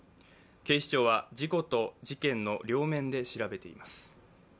警視庁は事故と事件の両面で調べています。